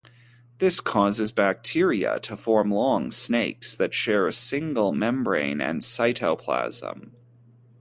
This causes bacteria to form long "snakes" that share a single membrane and cytoplasm.